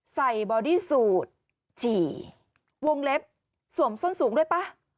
บอดี้สูตรฉี่วงเล็บสวมส้นสูงด้วยป่ะ